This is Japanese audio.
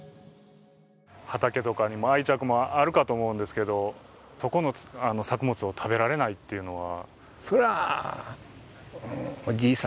畑とかにも愛着もあるかと思うんですけど、そこの作物を食べられないというのは？